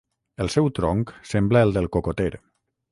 El seu tronc sembla el del cocoter.